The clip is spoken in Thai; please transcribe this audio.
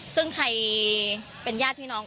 ซึ่งใครเป็นญาติพี่น้อง